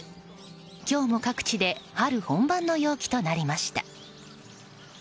今日も各地で春本番の陽気となりました。